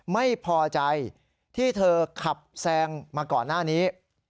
ไม่พอใจที่เธอขับแซงมาก่อนหน้านี้